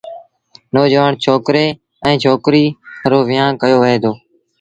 نوجوآڻ ڇوڪري ائيٚݩ ڇوڪريٚ رو ويهآݩ ڪيو وهي دو۔